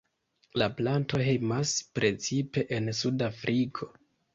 La planto hejmas precipe en suda Afriko.